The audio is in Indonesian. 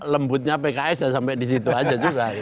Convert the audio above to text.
lembutnya pks ya sampai disitu aja juga